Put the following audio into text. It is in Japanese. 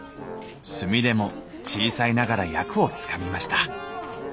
すみれも小さいながら役をつかみました。